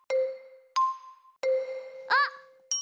あっ！